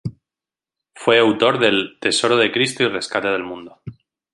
Fue autor del "Tesoro de Cristo y rescate del mundo.